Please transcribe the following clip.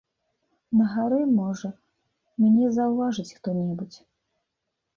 На гары, можа, мяне заўважыць хто-небудзь.